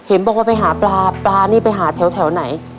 เห็นบอกว่าไปหาปลาปลานี่ไปหาแถวไหน